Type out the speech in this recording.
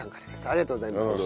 ありがとうございます。